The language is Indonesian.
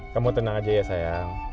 kamu tenang aja ya sayang